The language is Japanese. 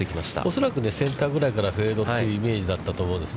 恐らくね、センターぐらいからフェードというイメージだと思うんです。